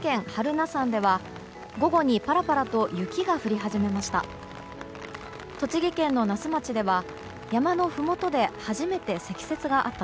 榛名山では午後にパラパラと雪が降り始めました。